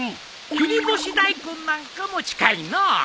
切り干し大根なんかも近いのう。